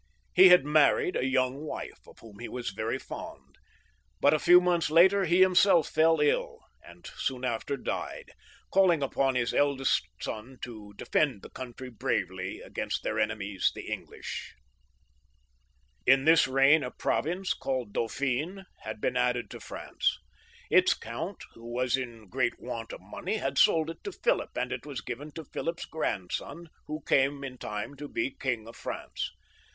He had married a young wife, of whom he was very fond, but a few months later he .i himseK fell ill, and soon after died, calling upon his eldest '| son to defend the country bravely against their enemies, the EnglisL In this reign a province, called Dauphin^ had been added on to France ; its count, who was in great want of money, had sold it to Philip, and it was given to Philip's grandson, who came in time to be King of France.